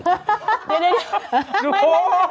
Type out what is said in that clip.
เดี๋ยว